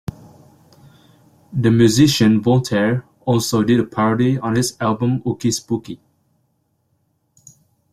The musician Voltaire also did a parody on his album "Ooky Spooky".